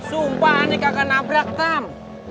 sumpah aneh kagak nabrak tam